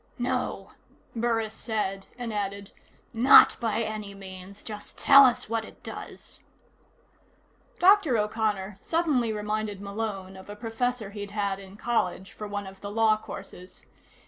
"No," Burris said, and added: "Not by any means. Just tell us what it does." Dr. O'Connor suddenly reminded Malone of a professor he'd had in college for one of the law courses.